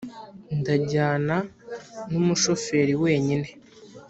ndajyana numu shoferi wenyine"